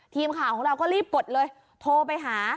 ทีมข่าวของเราก็รีบกดเลยโทรไปหา